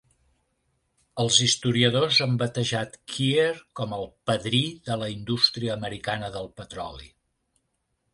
Els historiadors han batejat Kier com el "Padrí de la indústria americana del petroli".